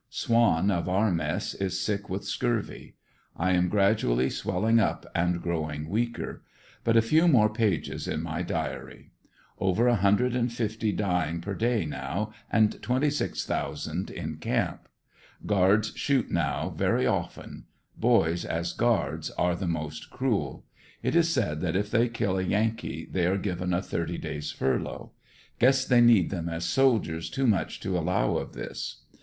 Swan, of our mess, is sick with scurvy. I am gradually swelling up and growing weaker. But a few more pages in my diary. Over a hundred and fifty dying per day now, and twenty six thousand in camp. Guaids shoot now very often. Boys, as guards, are the most cruel. It is said that if they kill a Yankee, they are given a thirty days furlough. Guess they need them as soldiers too much to allow of this.